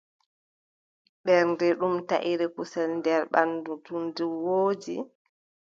Ɓernde, ɗum taʼre kusel nder ɓanndu, to nde woodi,